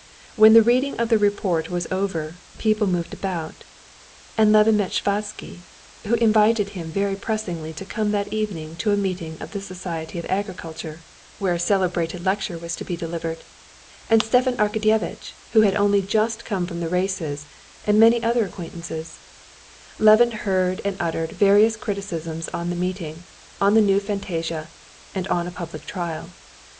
When the reading of the report was over, people moved about, and Levin met Sviazhsky, who invited him very pressingly to come that evening to a meeting of the Society of Agriculture, where a celebrated lecture was to be delivered, and Stepan Arkadyevitch, who had only just come from the races, and many other acquaintances; and Levin heard and uttered various criticisms on the meeting, on the new fantasia, and on a public trial.